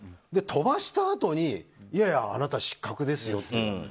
飛ばしたあとにいやいや、あなた失格ですよって